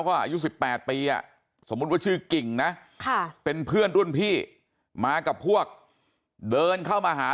เขาอายุ๑๘ปีสมมุติว่าชื่อกิ่งนะเป็นเพื่อนรุ่นพี่มากับพวกเดินเข้ามาหา